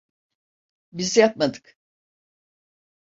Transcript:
Biz yapmadık.